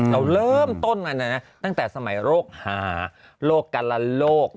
เราเริ่มต้นมานะตั้งแต่สมัยโรคหาโรคกรโรค